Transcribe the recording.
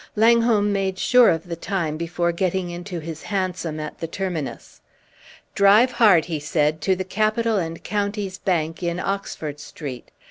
Langholm made sure of the time before getting into his hansom at the terminus. "Drive hard," he said, "to the Capital and Counties Bank in Oxford Street."